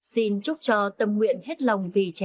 xin chúc cho tâm nguyện hết lòng vì trẻ em